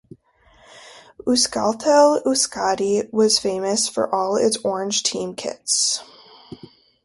Euskaltel-Euskadi was famous for its all-orange team kits.